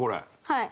はい。